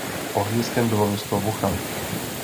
Ohniskem bylo město Wuhan.